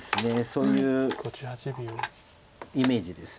そういうイメージです。